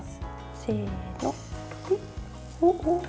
せーの。